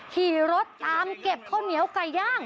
ขี่รถตามเก็บข้าวเหนียวไก่ย่าง